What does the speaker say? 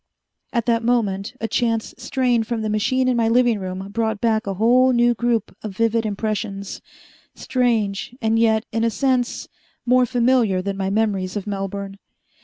At that moment, a chance strain from the machine in my living room brought back a whole new group of vivid impressions, strange and yet in a sense more familiar than my memories of Melbourne.